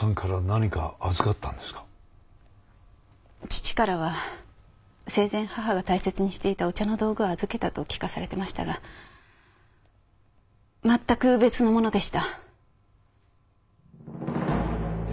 父からは生前母が大切にしていたお茶の道具を預けたと聞かされてましたがまったく別のものでした。